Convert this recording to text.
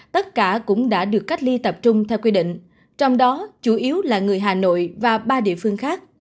tất cả cũng đã được cách ly tập trung theo quy định trong đó chủ yếu là người hà nội và ba địa phương khác